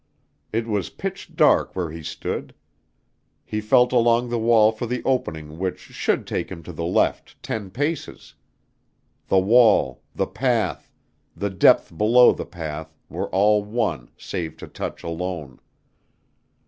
It was pitch dark where he stood. He felt along the wall for the opening which should take him to the left ten paces. The wall, the path, the depth below the path were all one save to touch alone.